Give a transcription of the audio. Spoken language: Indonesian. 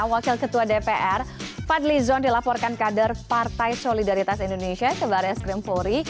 wakil ketua dpr fadli zon dilaporkan kadar partai solidaritas indonesia ke baris grimpori